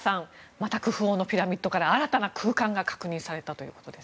またクフ王のピラミッドから新たな空間が発見されたということです。